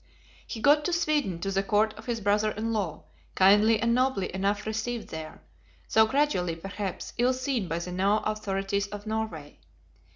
He got to Sweden, to the court of his brother in law; kindly and nobly enough received there, though gradually, perhaps, ill seen by the now authorities of Norway.